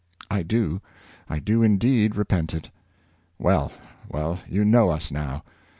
" I do, I do, indeed, repent it." " Well, well, you know us now.